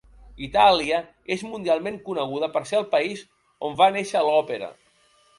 Itàlia és mundialment coneguda per ser el país on va néixer l'òpera.